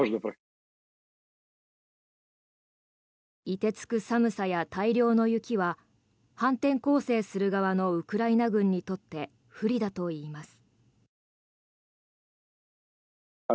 凍てつく寒さや大量の雪は反転攻勢する側のウクライナ軍にとって不利だといいます。